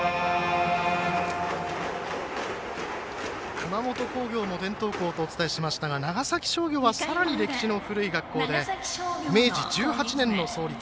熊本工業も伝統校とお伝えしましたが長崎商業はさらに歴史の古い学校で明治１８年の創立。